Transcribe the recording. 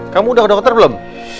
kamu udah ke dokter belum